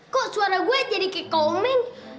kok suara gue jadi kkea komen